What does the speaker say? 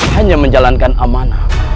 hanya menjalankan amanah